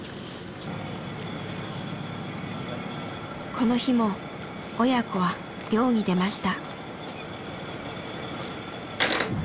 この日も親子は漁に出ました。